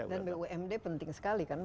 dan bumd penting sekali kan